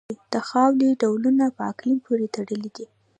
د خاورې ډولونه په اقلیم پورې تړلي دي.